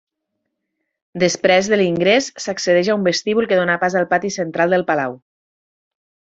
Després de l'ingrés s'accedeix a un vestíbul que dóna pas al pati central del palau.